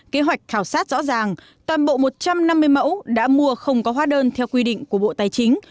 kế hoạch khảo sát rõ ràng toàn bộ một trăm năm mươi mẫu đã mua không có hóa đơn theo quy định của bộ tài chính